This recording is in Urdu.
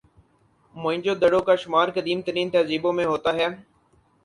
موئن جو دڑو کا شمار قدیم ترین تہذیبوں میں ہوتا ہے